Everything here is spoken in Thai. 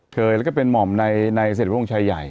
เคยแล้วก็เป็นหม่อมในเศรษฐวงชายใหญ่